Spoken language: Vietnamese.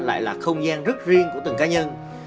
lại là không gian rất riêng của từng cá nhân